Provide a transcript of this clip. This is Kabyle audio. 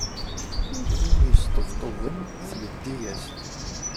I win yesṭebṭuben, tleddi-as-d.